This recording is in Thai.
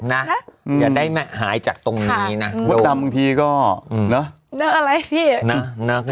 อย่าได้หายจากตรงนี้นะมดดำบางทีก็เนอะอะไรพี่นะ